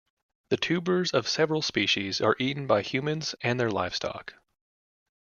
The tubers of several species are eaten by humans and their livestock.